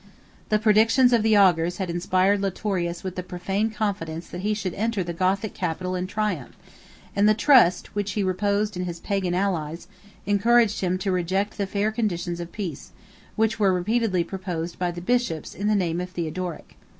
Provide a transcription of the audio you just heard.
The predictions of the augurs had inspired Litorius with the profane confidence that he should enter the Gothic capital in triumph; and the trust which he reposed in his Pagan allies, encouraged him to reject the fair conditions of peace, which were repeatedly proposed by the bishops in the name of Theodoric.